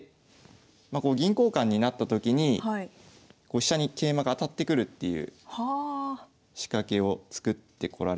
まこう銀交換になった時に飛車に桂馬が当たってくるっていう仕掛けを作ってこられました。